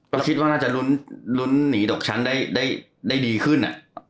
ก็คิดว่าน่าจะลุ้นหนีตกชั้นได้ดีขึ้น